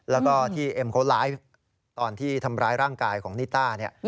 แล้วก็ที่เอ็มเขาไลฟ์ตอนที่ทำร้ายร่างกายของนิต้า